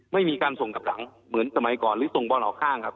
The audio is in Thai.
ไม่มีการส่งกลับหลังเหมือนสมัยก่อนหรือส่งบอลออกข้างครับ